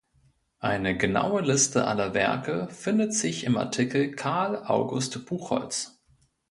Eine genaue Liste aller Werke findet sich im Artikel Carl August Buchholz.